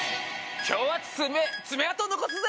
今日はつめ爪痕残すぜ！